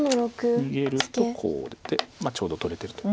逃げるとこう出てちょうど取れてると。